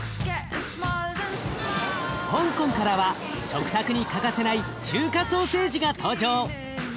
香港からは食卓に欠かせない中華ソーセージが登場。